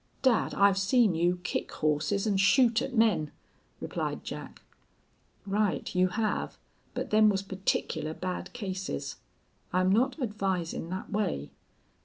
"Dad, I've seen you kick horses an' shoot at men" replied Jack. "Right, you have. But them was particular bad cases. I'm not advisin' thet way....